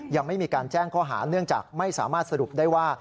ยังไม่มีการแจ้งข้อหาเนื่องจากไม่สามารถสรุปได้ว่า